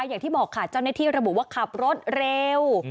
อย่างที่บอกค่ะเจ้าหน้าที่ระบุว่าขับรถเร็ว